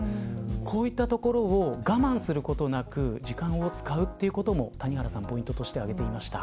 こういったところを我慢することなく時間を使うということもポイントとして挙げていました。